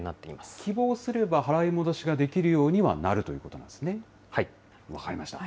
希望すれば払い戻しができるようにはなるということなんですね、分かりました。